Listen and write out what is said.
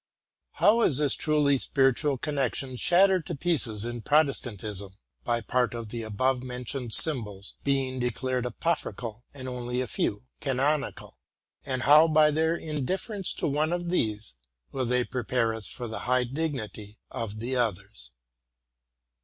How is this truly spiritual connection shattered to pieces in Protestantism, by part of the above mentioned symbols being declared apocryphal, and only a few canonical !— and how, by their indifference to one of these, will they prepare us for the high dignity of the others?